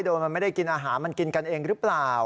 โดยมันไม่ได้กินอาหารมันกินกันเองหรือเปล่า